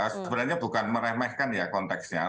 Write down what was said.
sebenarnya bukan meremehkan ya konteksnya